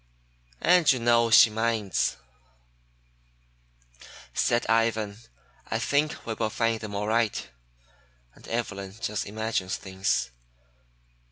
"And you know she minds," said Ivan. "I think we will find them all right, and Evelyn just imagines things.